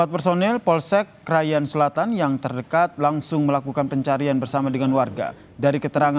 empat personel polsek kerayan selatan yang terdiri di bandara terbang